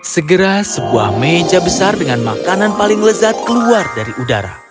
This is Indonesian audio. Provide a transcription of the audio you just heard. segera sebuah meja besar dengan makanan paling lezat keluar dari udara